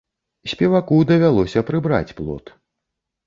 Спеваку давялося прыбраць плот.